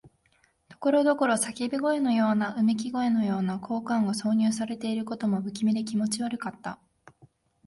ところどころ叫び声のような、うめき声のような効果音が挿入されていることも、不気味で気持ち悪かった。